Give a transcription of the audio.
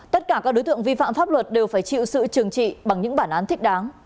tất cả các đối tượng vi phạm pháp luật đều phải chịu sự trừng trị bằng những bản án thích đáng